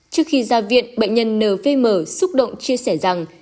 trước khi ra viện bệnh nhân nvm xúc động chia sẻ rằng